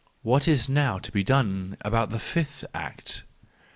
What is now to be done about the fifth act